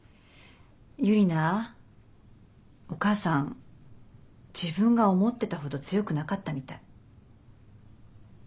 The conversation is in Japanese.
ユリナお母さん自分が思ってたほど強くなかったみたい。